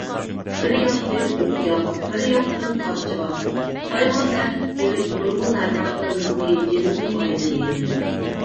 بىر ياقتىن ئوقيا، بىر ياقتىن قارچىغا، تايغان تەھدىت سېلىپ نۇرغۇن ھەمراھلىرىمىزنى جېنىدىن ئايرىدى.